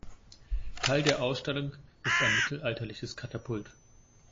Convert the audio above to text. Teil der Ausstellung ist ein mittelalterliches Katapult.